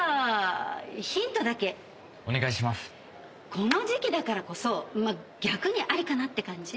この時期だからこそ逆にありかなって感じ？